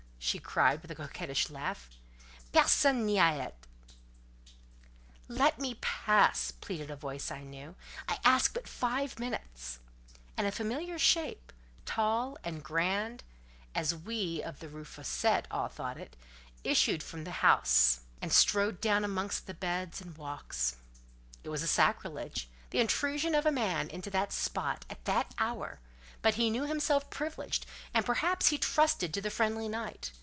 she cried, with a coquettish laugh. "Personne n'y a été." "Let me pass," pleaded a voice I knew: "I ask but five minutes;" and a familiar shape, tall and grand (as we of the Rue Fossette all thought it), issued from the house, and strode down amongst the beds and walks. It was sacrilege—the intrusion of a man into that spot, at that hour; but he knew himself privileged, and perhaps he trusted to the friendly night.